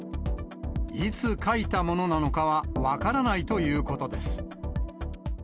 いつ書いたものなのかは分からないということです。